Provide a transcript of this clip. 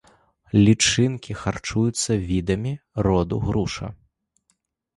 Лічынкі харчуюцца відамі роду груша.